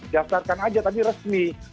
daftarkan saja tapi resmi